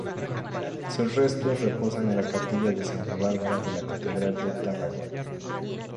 Sus restos reposan en la capilla de Santa Bárbara de la catedral de Tarragona.